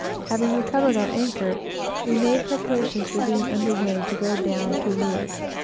Having recovered our anchor, we made preparations for getting under weigh to go down to leeward.